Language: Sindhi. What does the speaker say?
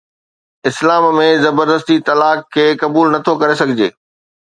اسلام ۾ زبردستي طلاق کي قبول نٿو ڪري سگهجي